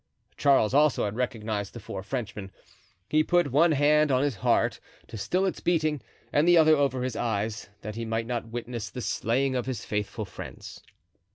Charles also had recognized the four Frenchmen. He put one hand on his heart to still its beating and the other over his eyes, that he might not witness the slaying of his faithful friends.